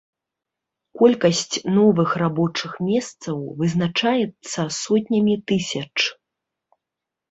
Колькасць новых рабочых месцаў вызначаецца сотнямі тысяч.